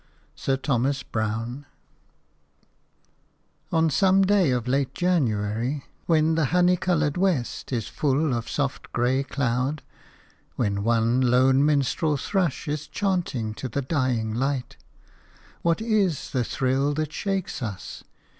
– SIR THOMAS BROWNE. ON some day of late January, when the honey coloured west is full of soft grey cloud, when one lone minstrel thrush is chanting to the dying light, what is the thrill that shakes us?